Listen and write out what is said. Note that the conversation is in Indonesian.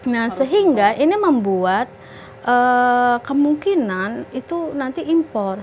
nah sehingga ini membuat kemungkinan itu nanti impor